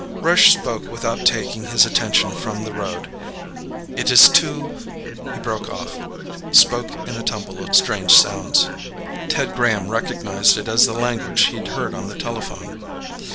Rush spoke without taking his attention from the road. "It is too ..." He broke off, spoke in a tumble of strange sounds. Ted Graham recognized it as the language he'd heard on the telephone.